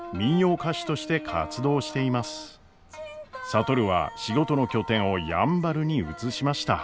智は仕事の拠点をやんばるに移しました。